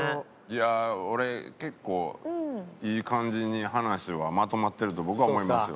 いやあ俺結構いい感じに話はまとまってると僕は思いますよ。